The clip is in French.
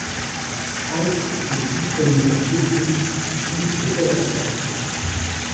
Entre et d'Ukrainiens ethniques vivent au Kazakhstan.